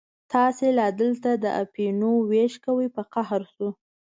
تاسې لا دلته د اپینو وېش کوئ، په قهر شو.